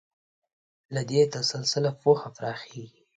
له دې تسلسله پوهه پراخېږي.